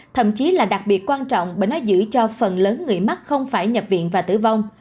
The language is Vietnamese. thậm chí là đặc biệt quan trọng bởi nó giữ cho phần lớn người mắc không phải nhập viện và tử vong